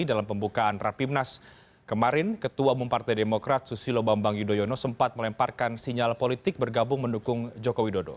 dalam pembukaan rapimnas kemarin ketua umum partai demokrat susilo bambang yudhoyono sempat melemparkan sinyal politik bergabung mendukung jokowi dodo